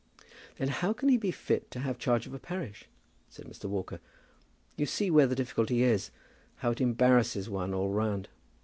"Then how can he be fit to have charge of a parish?" said Mr. Walker. "You see where the difficulty is. How it embarrasses one all round.